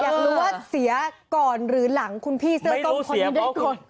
อยากรู้ว่าเสียก่อนหรือหลังคุณพี่เสื้อส้มคนนี้ได้ก่อน